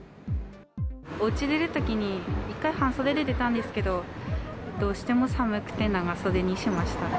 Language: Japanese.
おうち出るときに、一回半袖で出たんですけど、どうしても寒くて長袖にしました。